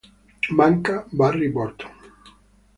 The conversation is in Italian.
Manca Barry Burton.